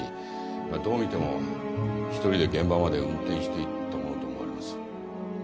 まあどう見ても１人で現場まで運転していったものと思われます。